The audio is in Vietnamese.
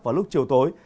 vào lúc chiều tối